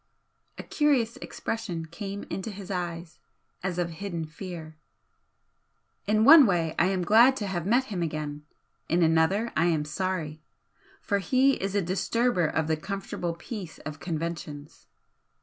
A curious expression came into his eyes, as of hidden fear. "In one way I am glad to have met him again in another I am sorry. For he is a disturber of the comfortable peace of conventions.